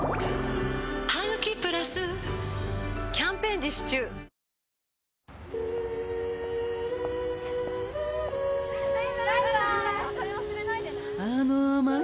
「ハグキプラス」キャンペーン実施中はい。